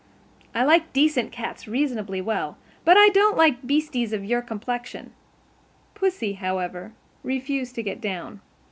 I like decent cats reasonably well; but I don't like beasties of your complexion." Pussy, however, refused to get down.